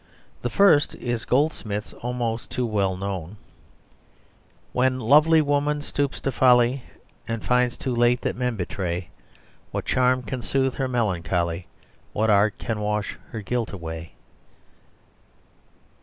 The first is Goldsmith's almost too well known "When lovely woman stoops to folly, And finds too late that men betray, What charm can soothe her melancholy? What art can wash her guilt away?"